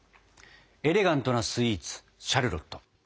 エレガントなスイーツシャルロット。